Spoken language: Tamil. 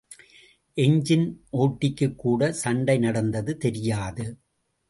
எஞ்சின் ஓட்டிக்குக் கூட சண்டை நடந்தது தெரியாது.